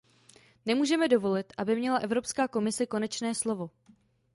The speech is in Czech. Nemůžeme dovolit, aby měla Evropská komise konečné slovo.